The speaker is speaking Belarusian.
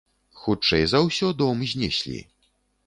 Хутчэй за ўсё, дом знеслі.